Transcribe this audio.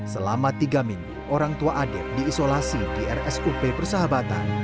selama tiga minggu orang tua adep diisolasi di rsup persahabatan